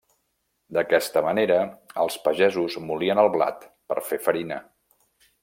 D'aquesta manera els pagesos molien el blat per fer farina.